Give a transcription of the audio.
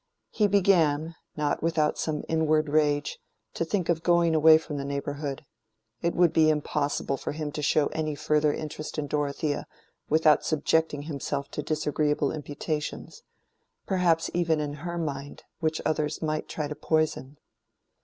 He began, not without some inward rage, to think of going away from the neighborhood: it would be impossible for him to show any further interest in Dorothea without subjecting himself to disagreeable imputations—perhaps even in her mind, which others might try to poison.